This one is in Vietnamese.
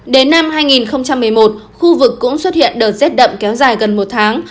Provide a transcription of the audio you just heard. đến năm hai nghìn một mươi một khu vực cũng xuất hiện đợt rét đậm kéo dài gần một tháng